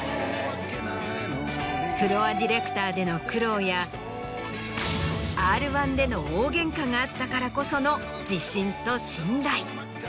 フロアディレクターでの苦労や『Ｒ−１』での大ゲンカがあったからこその自信と信頼。